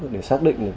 để xác định được